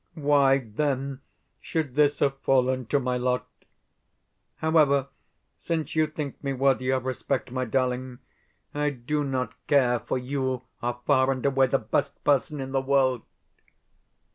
Why then, should this have fallen to my lot?... However, since you think me worthy of respect, my darling, I do not care, for you are far and away the best person in the world....